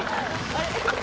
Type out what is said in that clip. あれ？